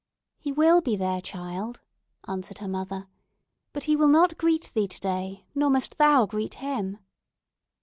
"He will be there, child," answered her mother, "but he will not greet thee today, nor must thou greet him."